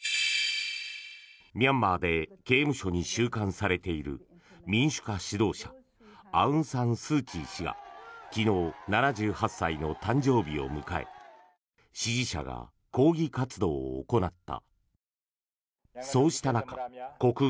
ミャンマーで刑務所に収監されている民主化指導者アウンサンスーチー氏が昨日、７８歳の誕生日を迎え支持者が抗議活動を行った。